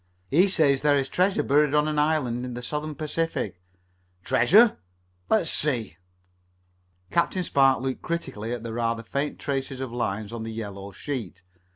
"He says there is treasure buried on an island in the Southern Pacific." "Treasure? Let me see." Captain Spark looked critically at the rather faint tracing of lines on the yellow sheet.